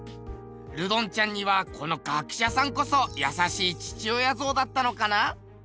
ルドンちゃんにはこの学者さんこそ優しい父親像だったのかな？